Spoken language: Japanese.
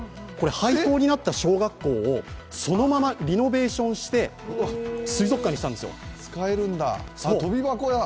廃校になった小学校をそのままリノベーションして水族館にしたんですよ。